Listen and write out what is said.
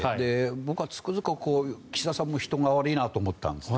僕はつくづく岸田さんも人が悪いなと思ったんです。